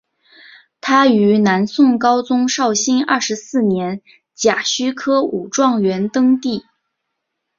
他于南宋高宗绍兴二十四年甲戌科武状元登第。